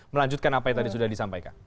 melanjutkan apa yang tadi sudah disampaikan